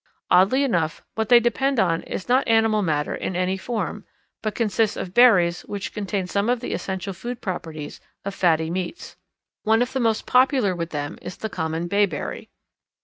Oddly enough, what they depend on is not animal matter in any form, but consists of berries which contain some of the essential food properties of fatty meats. One of the most popular with them is the common bayberry.